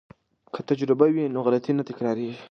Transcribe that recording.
که تجربه وي نو غلطي نه تکراریږي.